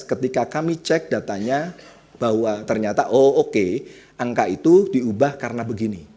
ketika kami cek datanya bahwa ternyata oh oke angka itu diubah karena begini